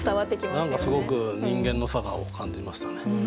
何かすごく人間の性を感じましたね。